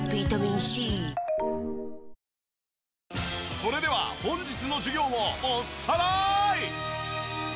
それでは本日の授業をおさらい！